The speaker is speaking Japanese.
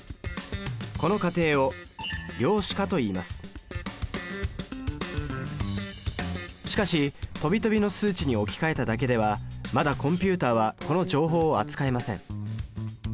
この過程を「量子化」といいますしかしとびとびの数値に置き換えただけではまだコンピュータはこの情報を扱えません。